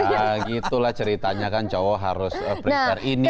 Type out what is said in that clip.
nah gitulah ceritanya kan cowok harus berita ini berita itu